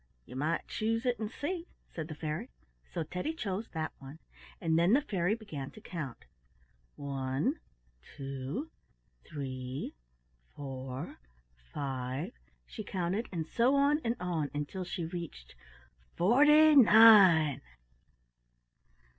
"You might choose it and see," said the fairy. So Teddy chose that one, and then the fairy began to count. "One, two, three, four, five," she counted, and so on and on until she reached "FORTY NINE!"